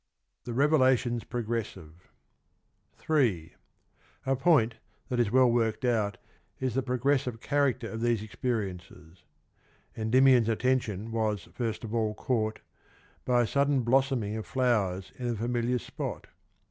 The revelations 3. A point that is wcU workcd out is the progressive character of these experiences. Endymion's attention was first of all caught by a sudden blossoming of flowers in a familiar spot.